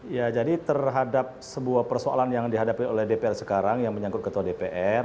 ya jadi terhadap sebuah persoalan yang dihadapi oleh dpr sekarang yang menyangkut ketua dpr